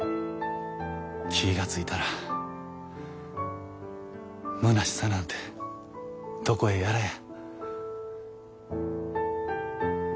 気が付いたらむなしさなんてどこへやらや。